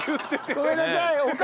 ごめんなさい女将！